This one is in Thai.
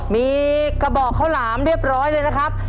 มีกระบอกข้าวหลามเรียบร้อยเลยนะครับ